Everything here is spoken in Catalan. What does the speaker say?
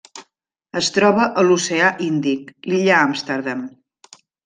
Es troba a l'oceà Índic: l'illa Amsterdam.